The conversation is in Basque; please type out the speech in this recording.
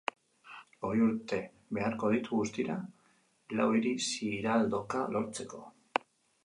Hogei urte beharko ditu guztira, lau hiri ziraldoka lotzeko.